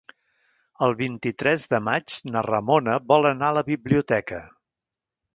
El vint-i-tres de maig na Ramona vol anar a la biblioteca.